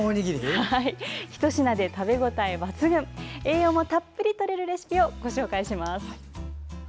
ひと品で食べ応え抜群栄養もたっぷりとれるレシピをご紹介します。